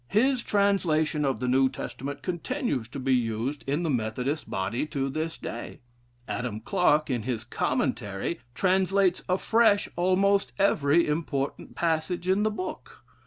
His translation of the New Testament continues to be used in the Methodist body to this day. Adam Clarke, in his 'Commentary,' translates afresh almost every important passage in the book.